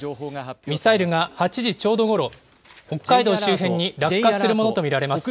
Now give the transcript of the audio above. ミサイルが８時ちょうどごろ、北海道周辺に落下するものと見られます。